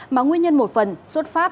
mà nguyên nhân một phần xuất phát